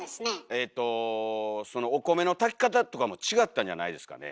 えとお米の炊きかたとかも違ったんじゃないですかね？